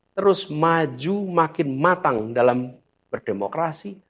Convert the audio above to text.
terus maju makin matang dalam berdemokrasi